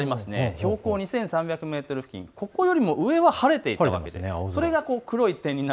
標高２３００メートル付近、ここよりも上は晴れていたわけです。